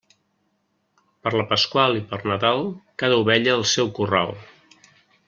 Per la Pasqual i per Nadal, cada ovella al seu corral.